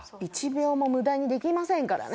１秒も無駄にできませんからね。